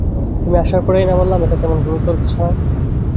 তুমি আসার পরেই না বললাম এটা তেমন গুরুতর কিছু নয়।